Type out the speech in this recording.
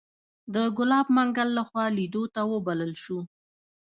د ګلاب منګل لخوا لیدو ته وبلل شوو.